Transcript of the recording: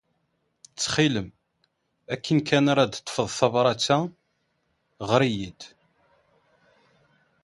Ttxil-m, akken kan ara d-teḍḍfed tabṛat-a, ɣer-iyi-d.